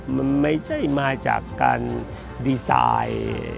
มันไม่ใช่มาจากการดีไซน์